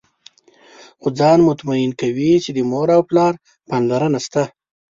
خو ځان مطمئن کوي چې د مور او پلار پاملرنه شته.